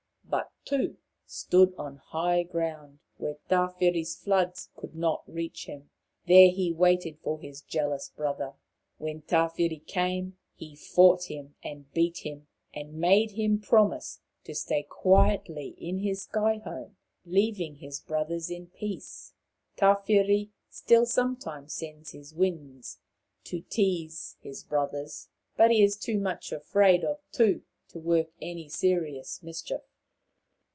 But Tu stood on high land, where Tawhiri' s floods could not reach him. There he waited for his jealous brother. When Tawhiri came, he fought him and beat him, and made him promise to stay quietly in his sky home, leaving his 30 Maoriland Fairy Tales brothers in peace. Tawhiri still sometimes sends his winds to tease his brothers, but he is too much afraid of Tu to work any serious mischief.